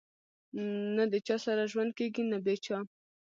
نه د چا سره ژوند کېږي نه بې چا